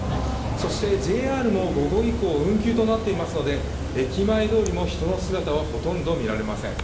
そしてＪＲも午後以降運休となっていますので、駅前通りも人の姿はほとんど見られません。